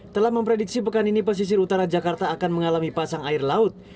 telah memprediksi pekan ini pesisir utara jakarta akan mengalami pasang air laut